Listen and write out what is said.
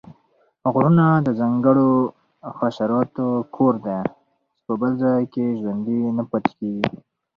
غرونه د ځانګړو حشراتو کور دی چې په بل ځاې کې ژوندي نه پاتیږي